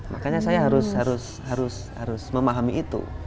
makanya saya harus memahami itu